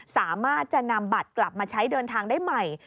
สามารถจะนำบัตรกลับมาใช้เดินทางได้ใหม่